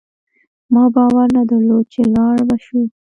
ما باور نه درلود چي لاړ به شو